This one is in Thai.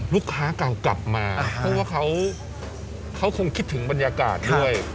เก่ากลับมาเพราะว่าเขาคงคิดถึงบรรยากาศด้วย